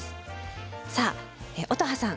さあ乙葉さん